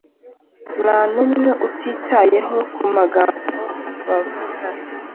nta numwe utitayeho kumagambobavuga